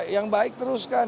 yang baik terus kan